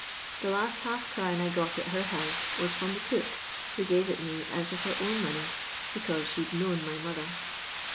The last half crown I got at her house was from the eook, who gave it me out of her own money because she 'd known my mother.